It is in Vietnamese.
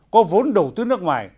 có vốn đầu tư nước ngoài